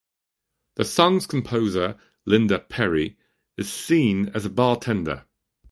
The song's composer, Linda Perry, is seen as a bartender.